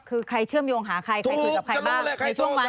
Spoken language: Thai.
คือใครเชื่อมโยงหาใครใครคุยกับใครบ้างในช่วงนั้น